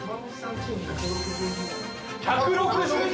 １６２！？